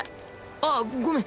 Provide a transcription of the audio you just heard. ああごめん。